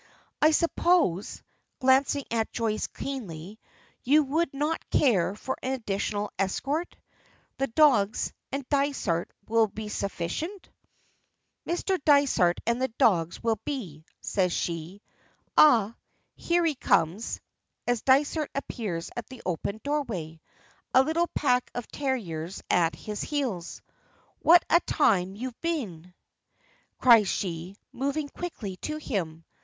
"I suppose," glancing at Joyce keenly, "you would not care for an additional escort? The dogs and Dysart will be sufficient?" "Mr. Dysart and the dogs will be," says she. "Ah! Here he comes," as Dysart appears at the open doorway, a little pack of terriers at his heels. "What a time you've been!" cries she, moving quickly to him.